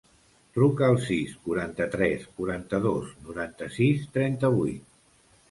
Truca al sis, quaranta-tres, quaranta-dos, noranta-sis, trenta-vuit.